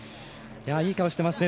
いい顔してますね。